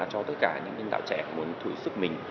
cho tất cả những nhân đạo trẻ muốn thử sức mình